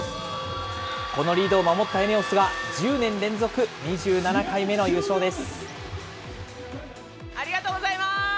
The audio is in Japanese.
このリードを守ったＥＮＥＯＳが、１０年連続２７回目の優勝です。